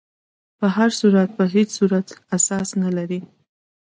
په هر صورت په هیڅ صورت اساس نه لري.